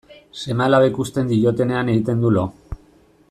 Seme-alabek uzten diotenean egiten du lo.